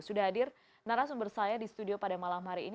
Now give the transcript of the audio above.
sudah hadir narasumber saya di studio pada malam hari ini